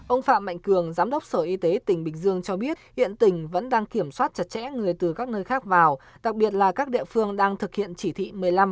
ông phạm mạnh cường giám đốc sở y tế tỉnh bình dương cho biết hiện tỉnh vẫn đang kiểm soát chặt chẽ người từ các nơi khác vào đặc biệt là các địa phương đang thực hiện chỉ thị một mươi năm